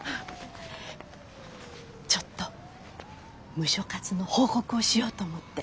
ちょっとムショ活の報告をしようと思って。